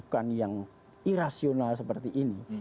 bukan yang irasional seperti ini